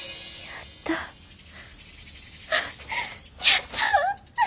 やった！